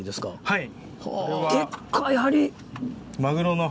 はい。